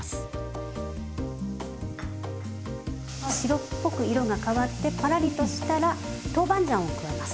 白っぽく色が変わってパラリとしたらトウバンジャンを加えます。